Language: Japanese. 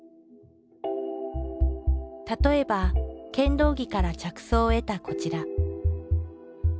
例えば剣道着から着想を得たこちら。